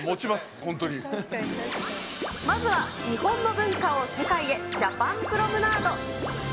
まずは日本の文化を世界へ、ジャパンプロムナード。